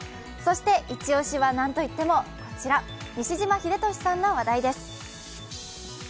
そしてイチオシは何といってもこちら、西島秀俊さんの話題です。